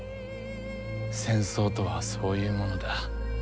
戦争とはそういうものだ。